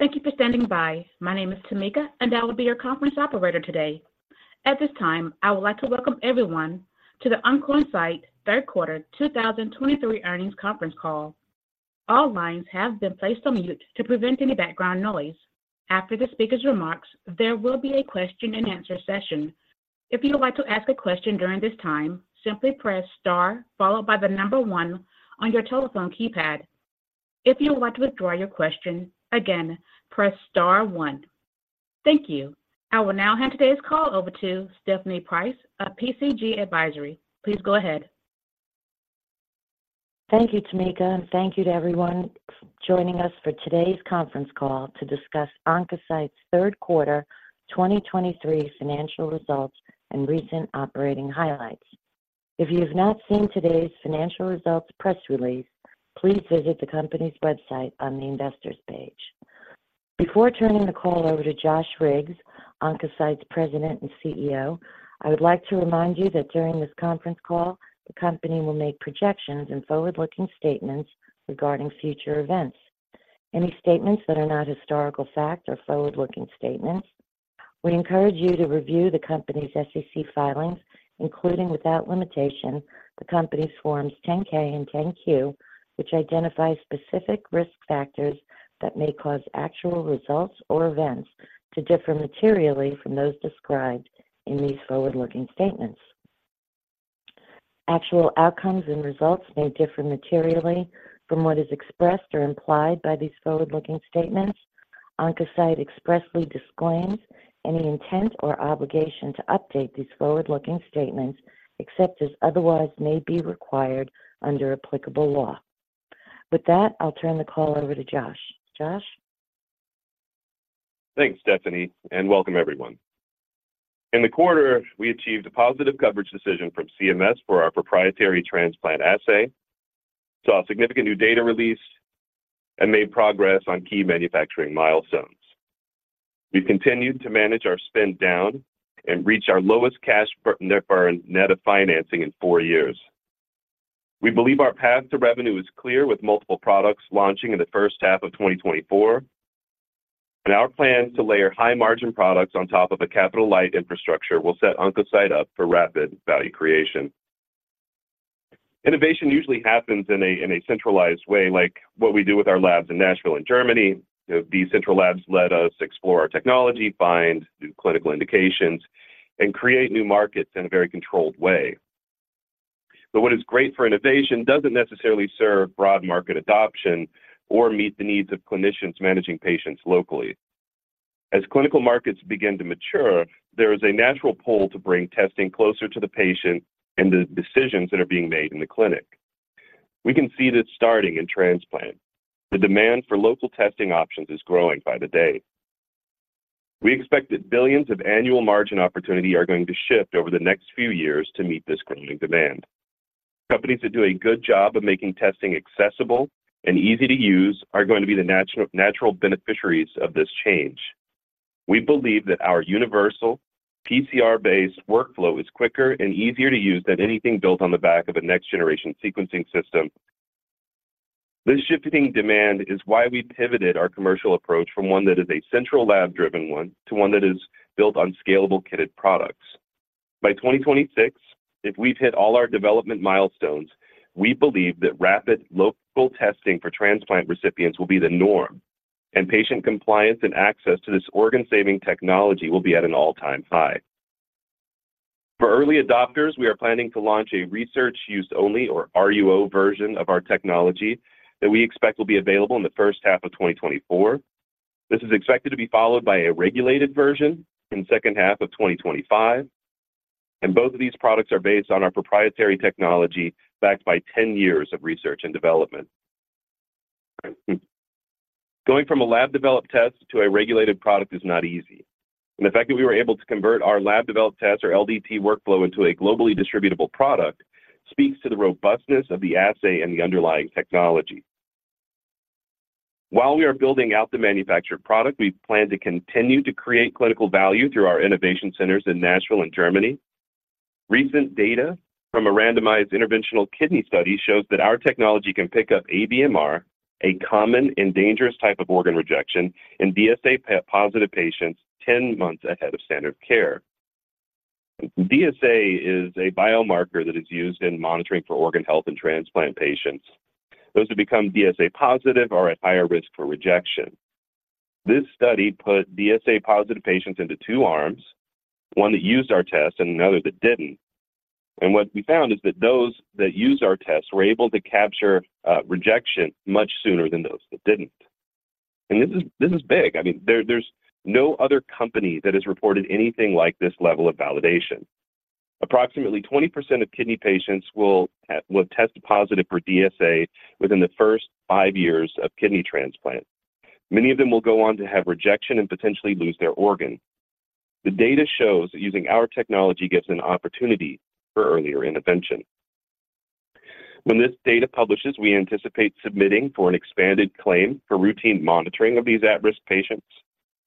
Thank you for standing by. My name is Tamika, and I will be your conference operator today. At this time, I would like to welcome everyone to the Oncocyte third quarter 2023 earnings conference call. All lines have been placed on mute to prevent any background noise. After the speaker's remarks, there will be a question-and-answer session. If you would like to ask a question during this time, simply press star followed by the number one on your telephone keypad. If you would like to withdraw your question, again, press star one. Thank you. I will now hand today's call over to Stephanie Prince of PCG Advisory. Please go ahead. Thank you, Tamika, and thank you to everyone joining us for today's conference call to discuss Oncocyte's third quarter 2023 financial results and recent operating highlights. If you've not seen today's financial results press release, please visit the company's website on the investors page. Before turning the call over to Josh Riggs, Oncocyte's President and CEO, I would like to remind you that during this conference call, the company will make projections and forward-looking statements regarding future events. Any statements that are not historical fact are forward-looking statements. We encourage you to review the company's SEC filings, including without limitation, the company's Forms 10-K and 10-Q, which identify specific risk factors that may cause actual results or events to differ materially from those described in these forward-looking statements. Actual outcomes and results may differ materially from what is expressed or implied by these forward-looking statements. Oncocyte expressly disclaims any intent or obligation to update these forward-looking statements, except as otherwise may be required under applicable law. With that, I'll turn the call over to Josh. Josh? Thanks, Stephanie, and welcome everyone. In the quarter, we achieved a positive coverage decision from CMS for our proprietary transplant assay, saw a significant new data release and made progress on key manufacturing milestones. We continued to manage our spend down and reach our lowest cash burn net of financing in four years. We believe our path to revenue is clear, with multiple products launching in the first half of 2024, and our plan to layer high-margin products on top of a capital-light infrastructure will set Oncocyte up for rapid value creation. Innovation usually happens in a centralized way, like what we do with our labs in Nashville and Germany. These central labs let us explore our technology, find new clinical indications, and create new markets in a very controlled way. But what is great for innovation doesn't necessarily serve broad market adoption or meet the needs of clinicians managing patients locally. As clinical markets begin to mature, there is a natural pull to bring testing closer to the patient and the decisions that are being made in the clinic. We can see this starting in transplant. The demand for local testing options is growing by the day. We expect that billions of annual margin opportunity are going to shift over the next few years to meet this growing demand. Companies that do a good job of making testing accessible and easy to use are going to be the natural beneficiaries of this change. We believe that our universal PCR-based workflow is quicker and easier to use than anything built on the back of a next-generation sequencing system. This shifting demand is why we pivoted our commercial approach from one that is a central lab-driven one to one that is built on scalable kitted products. By 2026, if we've hit all our development milestones, we believe that rapid local testing for transplant recipients will be the norm, and patient compliance and access to this organ-saving technology will be at an all-time high. For early adopters, we are planning to launch a research-use-only, or RUO, version of our technology that we expect will be available in the first half of 2024. This is expected to be followed by a regulated version in the second half of 2025, and both of these products are based on our proprietary technology, backed by 10 years of research and development. Going from a lab-developed test to a regulated product is not easy, and the fact that we were able to convert our lab-developed test or LDT workflow into a globally distributable product speaks to the robustness of the assay and the underlying technology. While we are building out the manufactured product, we plan to continue to create clinical value through our innovation centers in Nashville and Germany. Recent data from a randomized interventional kidney study shows that our technology can pick up ABMR, a common and dangerous type of organ rejection, in DSA-positive patients 10 months ahead of standard care. DSA is a biomarker that is used in monitoring for organ health in transplant patients. Those who become DSA positive are at higher risk for rejection. This study put DSA-positive patients into two arms, one that used our test and another that didn't. What we found is that those that used our tests were able to capture rejection much sooner than those that didn't. And this is, this is big. I mean, there, there's no other company that has reported anything like this level of validation. Approximately 20% of kidney patients will test positive for DSA within the first five years of kidney transplant. Many of them will go on to have rejection and potentially lose their organ. The data shows that using our technology gives an opportunity for earlier intervention. When this data publishes, we anticipate submitting for an expanded claim for routine monitoring of these at-risk patients.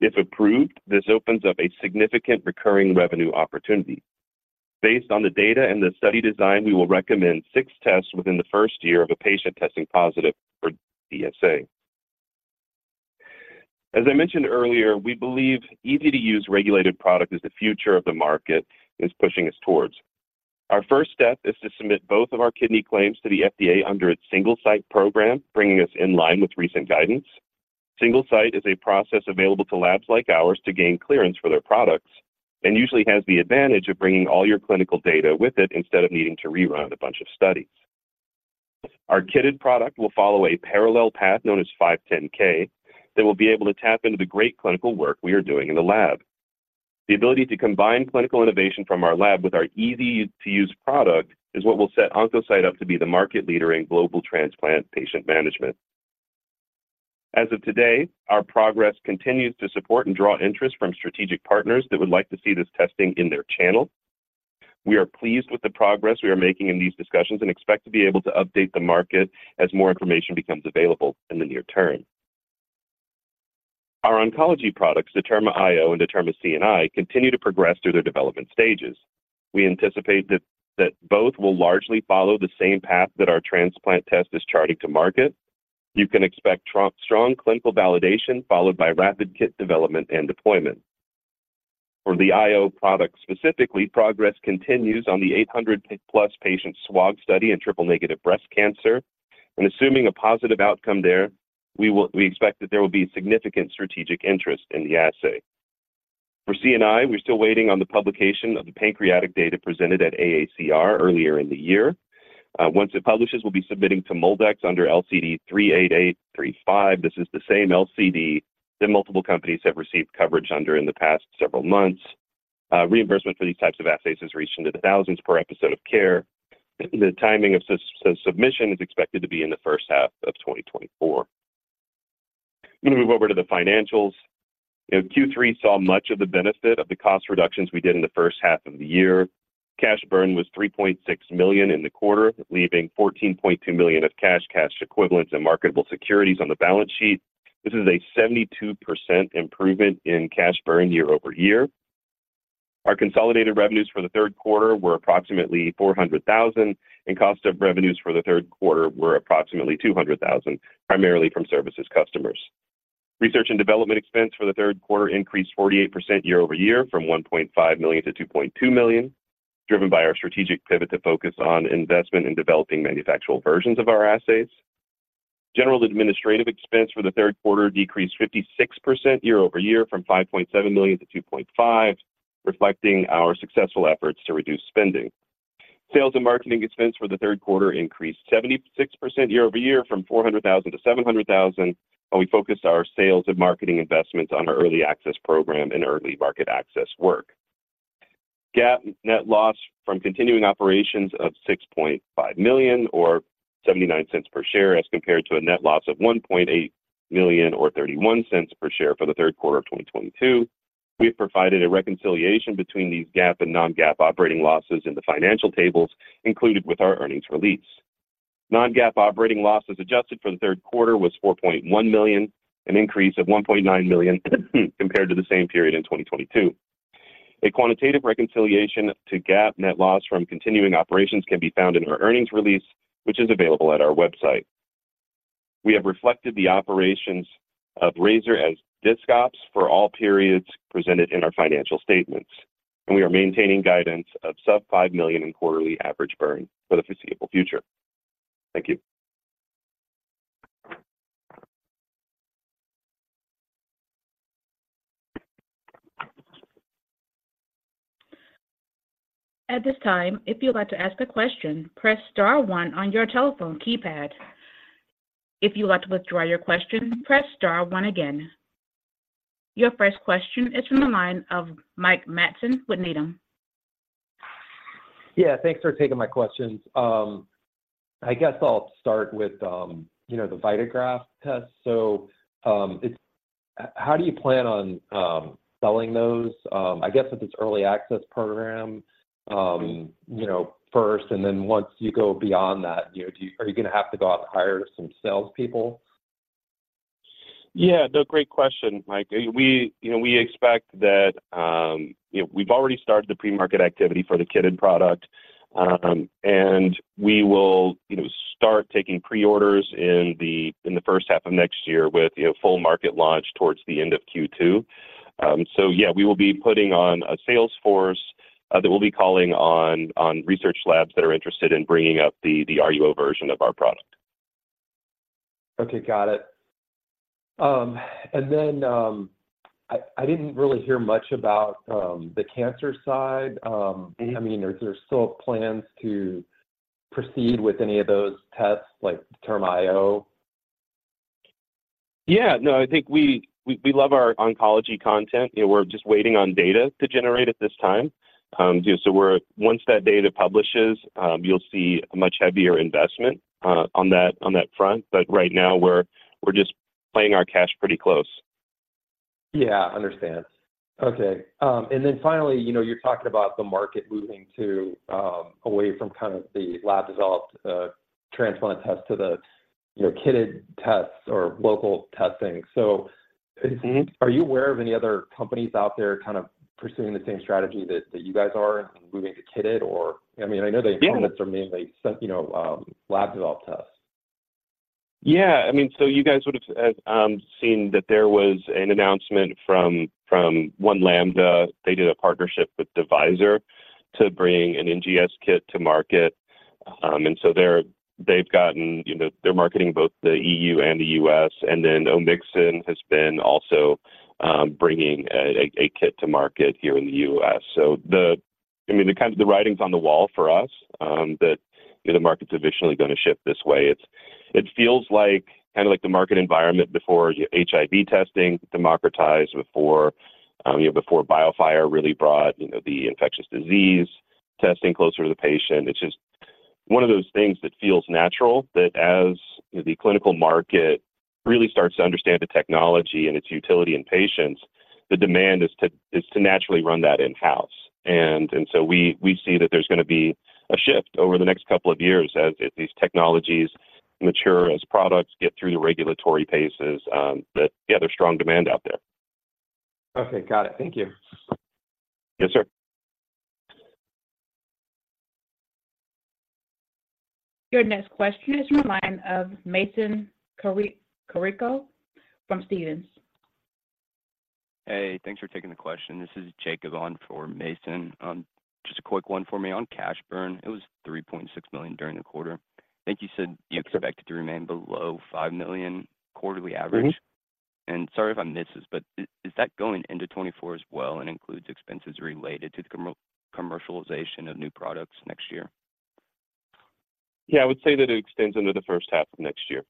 If approved, this opens up a significant recurring revenue opportunity. Based on the data and the study design, we will recommend six tests within the first year of a patient testing positive for DSA. As I mentioned earlier, we believe easy-to-use regulated product is the future of the market is pushing us towards. Our first step is to submit both of our kidney claims to the FDA under its Single Site Program, bringing us in line with recent guidance. Single Site is a process available to labs like ours to gain clearance for their products, and usually has the advantage of bringing all your clinical data with it instead of needing to rerun a bunch of studies. Our kitted product will follow a parallel path known as 510(k) that will be able to tap into the great clinical work we are doing in the lab. The ability to combine clinical innovation from our lab with our easy-to-use product is what will set Oncocyte up to be the market leader in global transplant patient management. As of today, our progress continues to support and draw interest from strategic partners that would like to see this testing in their channel. We are pleased with the progress we are making in these discussions and expect to be able to update the market as more information becomes available in the near term. Our oncology products, DetermaIO and DetermaCNI, continue to progress through their development stages. We anticipate that both will largely follow the same path that our transplant test is charting to market. You can expect strong clinical validation, followed by rapid kit development and deployment. For the IO product specifically, progress continues on the 800+ patient SWOG study in triple negative breast cancer, and assuming a positive outcome there, we expect that there will be significant strategic interest in the assay. For CNI, we're still waiting on the publication of the pancreatic data presented at AACR earlier in the year. Once it publishes, we'll be submitting to MolDX under LCD L38835. This is the same LCD that multiple companies have received coverage under in the past several months. Reimbursement for these types of assays has reached into the thousands per episode of care. The timing of submission is expected to be in the first half of 2024. I'm going to move over to the financials. In Q3 saw much of the benefit of the cost reductions we did in the first half of the year. Cash burn was $3.6 million in the quarter, leaving $14.2 million of cash, cash equivalents, and marketable securities on the balance sheet. This is a 72% improvement in cash burn YoY. Our consolidated revenues for the third quarter were approximately $400,000, and cost of revenues for the third quarter were approximately $200,000, primarily from services customers. Research and development expense for the third quarter increased 48% YoY from $1.5 million to $2.2 million, driven by our strategic pivot to focus on investment in developing manufactural versions of our assays. General administrative expense for the third quarter decreased 56% YoY from $5.7 million to $2.5 million, reflecting our successful efforts to reduce spending. Sales and marketing expense for the third quarter increased 76% YoY from $400,000 to $700,000, and we focused our sales and marketing investments on our early access program and early market access work. GAAP net loss from continuing operations of $6.5 million, or $0.79 per share, as compared to a net loss of $1.8 million, or $0.31 million per share for the third quarter of 2022. We've provided a reconciliation between these GAAP and non-GAAP operating losses in the financial tables included with our earnings release. Non-GAAP operating losses adjusted for the third quarter was $4.1 million, an increase of $1.9 million compared to the same period in 2022. A quantitative reconciliation to GAAP net loss from continuing operations can be found in our earnings release, which is available at our website. We have reflected the operations of Razor as discontinued ops for all periods presented in our financial statements, and we are maintaining guidance of sub $5 million in quarterly average burn for the foreseeable future. Thank you. At this time, if you'd like to ask a question, press star one on your telephone keypad. If you'd like to withdraw your question, press star one again. Your first question is from the line of Mike Matson with Needham. Yeah, thanks for taking my questions. I guess I'll start with, you know, the VitaGraft test. So, it's... How do you plan on selling those? I guess with this early access program, you know, first, and then once you go beyond that, you know, are you going to have to go out and hire some salespeople? Yeah, no, great question, Mike. We, you know, we expect that, you know, we've already started the pre-market activity for the kitted product, and we will, you know, start taking pre-orders in the first half of next year with, you know, full market launch towards the end of Q2. So yeah, we will be putting on a sales force that will be calling on research labs that are interested in bringing up the RUO version of our product. Okay, got it. And then, I didn't really hear much about the cancer side. I mean, are there still plans to proceed with any of those tests, like DetermaIO? Yeah. No, I think we love our oncology content. You know, we're just waiting on data to generate at this time. So once that data publishes, you'll see a much heavier investment on that, on that front. But right now, we're just playing our cash pretty close. Yeah, understand. Okay, and then finally, you know, you're talking about the market moving to, away from kind of the lab-developed transplant test to the, you know, kitted tests or local testing. So- Are you aware of any other companies out there kind of pursuing the same strategy that you guys are, moving to kitted or? I mean, I know the- Yeah Components are mainly, you know, lab-developed tests. Yeah. I mean, so you guys would have seen that there was an announcement from One Lambda. They did a partnership with Devyser to bring an NGS kit to market. And so they've gotten, you know, they're marketing both the E.U. and the U.S., and then Omixon has been also bringing a kit to market here in the US. So I mean, the kind of the writing's on the wall for us, that, you know, the market's eventually going to shift this way. It feels like, kind of like the market environment before HIV testing democratized, before, you know, before BioFire really brought, you know, the infectious disease testing closer to the patient. It's just one of those things that feels natural, that as the clinical market really starts to understand the technology and its utility in patients, the demand is to naturally run that in-house. So we see that there's going to be a shift over the next couple of years as these technologies mature, as products get through the regulatory paces, that yeah, there's strong demand out there. Okay. Got it. Thank you. Yes, sir. Your next question is from the line of Mason Carrico from Stephens. Hey, thanks for taking the question. This is Jacob on for Mason. Just a quick one for me. On cash burn, it was $3.6 million during the quarter. I think you said you expected to remain below $5 million quarterly average. Mm-hmm. Sorry if I missed this, but is that going into 2024 as well and includes expenses related to the commercialization of new products next year? Yeah, I would say that it extends into the first half of next year.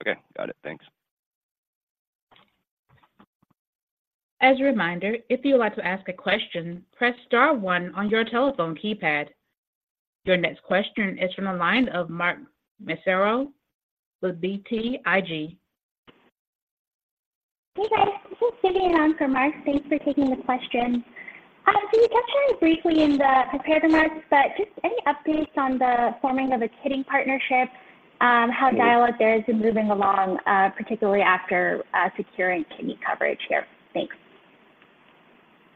Okay. Got it. Thanks. As a reminder, if you would like to ask a question, press star one on your telephone keypad. Your next question is from the line of Mark Massaro with BTIG. Hey, guys. This is Vidyun on for Mark. Thanks for taking the question. So you touched on it briefly in the prepared remarks, but just any updates on the forming of a kitting partnership, how dialogue there has been moving along, particularly after securing kidney coverage here? Thanks.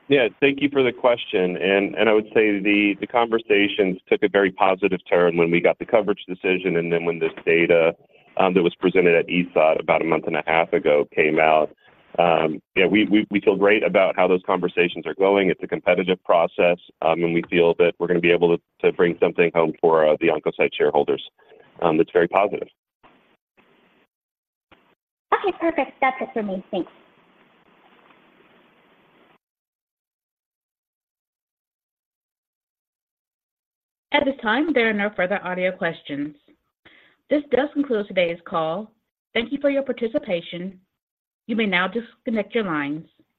Yeah, thank you for the question. And I would say the conversations took a very positive turn when we got the coverage decision and then when this data that was presented at ESOT about a month and a half ago came out. Yeah, we feel great about how those conversations are going. It's a competitive process, and we feel that we're going to be able to bring something home for the Oncocyte shareholders. It's very positive. Okay, perfect. That's it for me. Thanks. At this time, there are no further audio questions. This does conclude today's call. Thank you for your participation. You may now disconnect your lines.